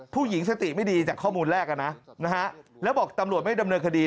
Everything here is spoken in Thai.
ผู้หญิงสติไม่ดีจากข้อมูลแรกนะแล้วบอกตำรวจไม่ดำเนินคดี